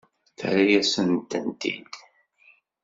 Terra-yasent-t-id.